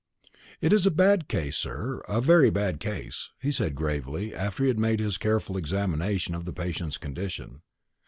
"It is a bad case, sir a very bad case," he said gravely, after he had made his careful examination of the patient's condition.